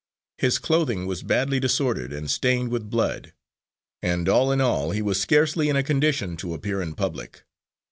His clothing was badly disordered and stained with blood; and, all in all, he was scarcely in a condition to appear in public.